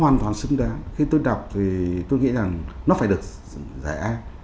nó hoàn toàn xứng đáng khi tôi đọc thì tôi nghĩ rằng nó phải được giải ác